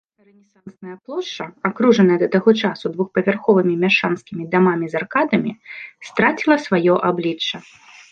Рэнесансная плошча, акружаная да таго часу двухпавярховымі мяшчанскімі дамамі з аркадамі, страціла сваё аблічча.